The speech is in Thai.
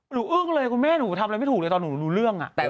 อึ้งเลยคุณแม่หนูทำอะไรไม่ถูกเลยตอนหนูรู้เรื่อง